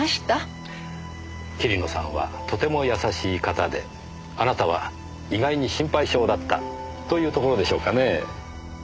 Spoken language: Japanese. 桐野さんはとても優しい方であなたは意外に心配性だったというところでしょうかねぇ。